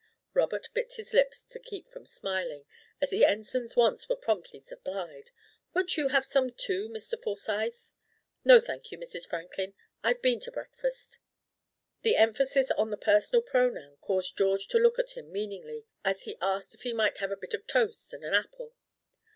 Robert bit his lips to keep from smiling as the Ensign's wants were promptly supplied. "Won't you have some too, Mr. Forsyth?" "No, thank you, Mrs. Franklin. I've been to breakfast." The emphasis on the personal pronoun caused George to look at him meaningly, as he asked if he might have a bit of toast and an apple.